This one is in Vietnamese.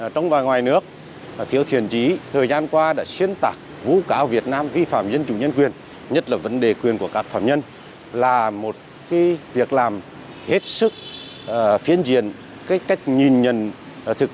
trong bối cảnh việt nam đang tích cực hội nhập quốc tế trên tất cả các lĩnh vực